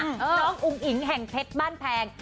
น้องอุ๋งอิ๋งแห่งเพชรบ้านแพง